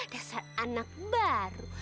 dasar anak baru